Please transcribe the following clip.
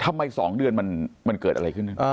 ๒เดือนมันเกิดอะไรขึ้น